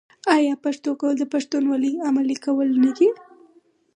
آیا پښتو کول د پښتونولۍ عملي کول نه دي؟